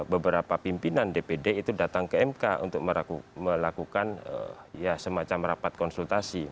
beberapa pimpinan dpd itu datang ke mk untuk melakukan semacam rapat konsultasi